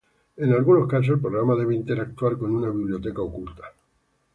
En algunos casos, el programa debe interactuar con una biblioteca oculta.